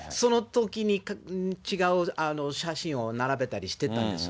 そのときに違う写真を並べたりしてたんですが。